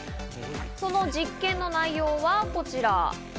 その実験の内容はこちら。